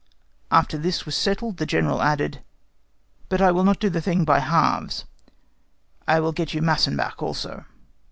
After this was settled, the General added, "But I will not do the thing by halves, I will get you Massenbach also."